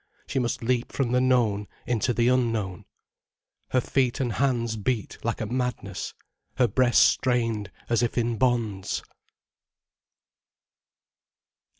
She must leap from the known into the unknown. Her feet and hands beat like a madness, her breast strained as if in bonds.